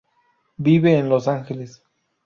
Vive en Los Ángeles.